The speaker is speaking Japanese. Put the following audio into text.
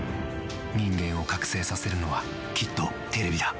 人間を覚醒させるのはきっとテレビだ。